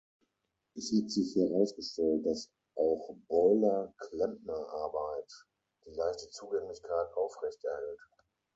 Es hat sich herausgestellt, dass auch Boiler-„Klempnerarbeit“ die leichte Zugänglichkeit aufrechterhält.